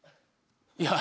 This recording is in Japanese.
いや。